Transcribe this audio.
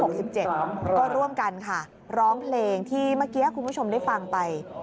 ก็ร่วมกันค่ะร้องเพลงที่เมื่อกี้คุณผู้ชมได้ฟังไป